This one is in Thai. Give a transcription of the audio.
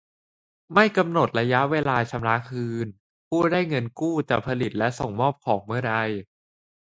ไม่กำหนดระยะเวลาชำระคืน ผู้ได้เงินกู้จะผลิตและส่งมอบของเมื่อใด